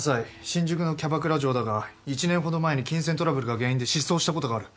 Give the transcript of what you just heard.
新宿のキャバクラ嬢だが１年ほど前に金銭トラブルが原因で失踪したことがある。